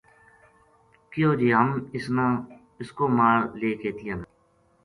کہیو جے ہم اس نا اس کو مال لے کے دیاں گا